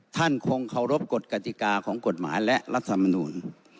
ท่านคงเคารพกฎกติกาของกฎหมายและรัฐมนูล